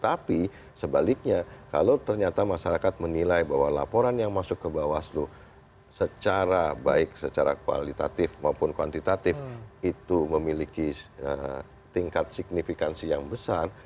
tapi sebaliknya kalau ternyata masyarakat menilai bahwa laporan yang masuk ke bawaslu secara baik secara kualitatif maupun kuantitatif itu memiliki tingkat signifikansi yang besar